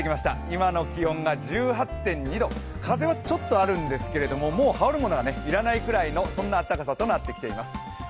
今の気温が１８．２度風はちょっとあるんですけれども羽織るものは要らないくらいの、そんな暖かさとなってきています。